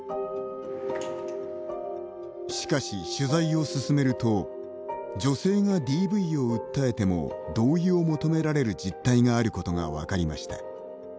しかし、取材を進めると女性がＤＶを訴えても同意を求められる実態があることが分かりました。